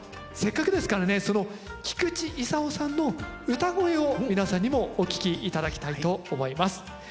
せっかくですからねその菊地勲さんの唄声を皆さんにもお聴き頂きたいと思います。